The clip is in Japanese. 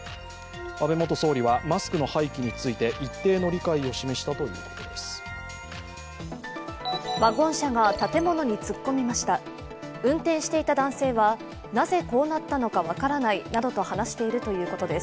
安倍元総理はマスクの廃棄について一定の理解を示したということです。